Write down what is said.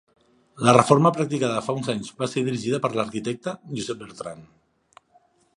La reforma practicada fa uns anys va ser dirigida per l'arquitecte Josep Bertran.